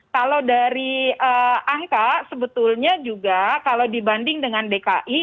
kalau dari angka sebetulnya juga kalau dibanding dengan dki